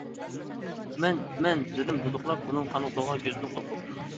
-مەن. مەن. ، -دېدىم دۇدۇقلاپ ئۇنىڭ قانغا تولغان كۆزىدىن قورقۇپ.